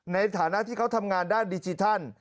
ในฐานะที่เขาทำงานด้านดิจิทัล